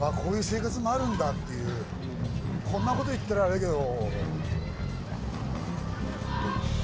こんなこと言ったらあれだけど。